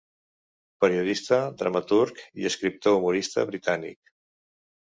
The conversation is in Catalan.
Periodista, dramaturg i escriptor humorista britànic.